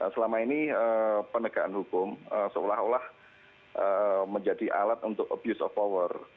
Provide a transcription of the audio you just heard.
selama ini penegakan hukum seolah olah menjadi alat untuk abuse of power